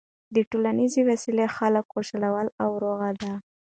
د ټولنیزې وصلۍ خلک خوشحاله او روغ دي.